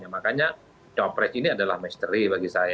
makanya cowok pres ini adalah misteri bagi saya